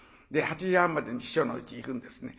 ８時半までに師匠のうち行くんですね。